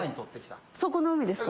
そこの海ですか？